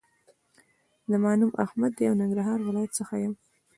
زما نوم احمد دې او ننګرهار ولایت څخه یم